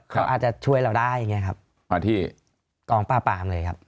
เขาอาจจะช่วยเราได้อย่างเงี้ครับมาที่กองปราบปามเลยครับ